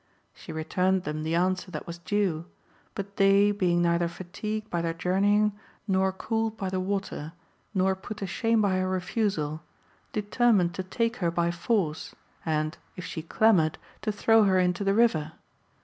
She returned them the answer that was due; but they, being neither fatigued by their journeying, nor cooled by the water, nor put to shame by her refusal, determined to take her by force, and, if she clamoured, to throw her into the river.